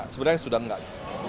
sebenarnya sudah enggak